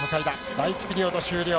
第１ピリオド終了。